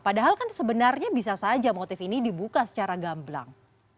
padahal kan sebenarnya bisa saja motif ini dibuka secara gamblang